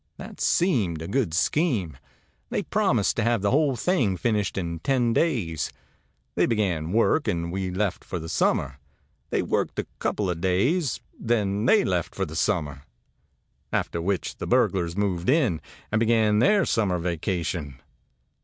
That seemed a good scheme. They promised to have the whole thing finished in ten days. They began work, and we left for the summer. They worked a couple of days; then they left for the summer. After which the burglars moved in, and began their summer vacation.